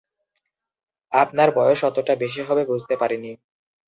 আপনার বয়স অতটা বেশি হবে বুঝতে পারিনি।